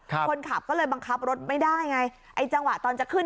คนขับก็เลยบังคับรถไม่ได้ไงไอ้จังหวะตอนจะขึ้น